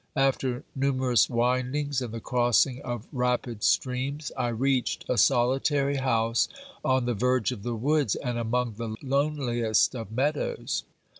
After numerous windings and the crossing of rapid streams, I OBERMANN 33 reached a solitary house on the verge of the woods and among the loneliest of meadows.